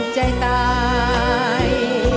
ใจตาย